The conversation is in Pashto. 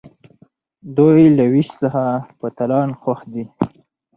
دوی له ویش څخه په تالان خوښ دي.